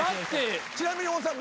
ちなみに小野さん。